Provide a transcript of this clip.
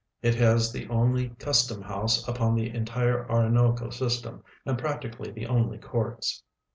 It has the only custom house upon the entire Orinoco system and practically the only courts.